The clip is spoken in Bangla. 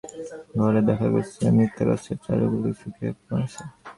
সম্প্রতি কয়েকটি বনায়ন এলাকা ঘুরে দেখা গেছে, মূর্তাগাছের চারাগুলো শুকিয়ে মরে গেছে।